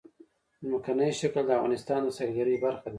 ځمکنی شکل د افغانستان د سیلګرۍ برخه ده.